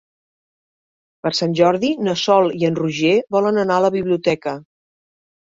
Per Sant Jordi na Sol i en Roger volen anar a la biblioteca.